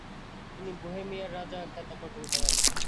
তিনি বোহেমিয়ার রাজা খেতাব অর্জন করেন।